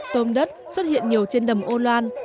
tôm đất xuất hiện nhiều trên đầm ô loan